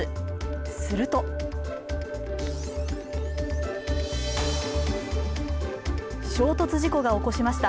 すると衝突事故を起こしました。